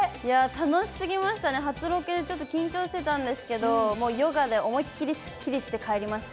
楽しすぎましたね、初ロケ、ちょっと緊張してたんですけど、もうヨガで思いっ切りすっきりして帰りました。